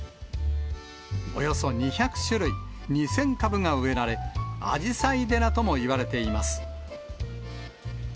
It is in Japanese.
およそ２００種類２０００株が植えられ、あじさい寺ともいわれています。